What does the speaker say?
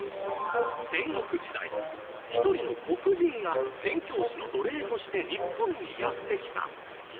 戦国時代一人の黒人が宣教師の奴隷として日本にやって来た。